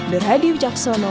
derhadi wicaksono lima jam